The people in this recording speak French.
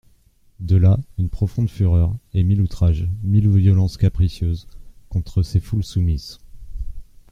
De là une profonde fureur, et mille outrages, mille violences capricieuses, contre ces foules soumises.